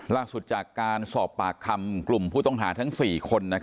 ล่าสุดจากการสอบปากคำกลุ่มผู้ต้องหาทั้ง๔คน